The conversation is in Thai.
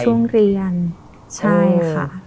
ช่วงเรียนใช่ค่ะ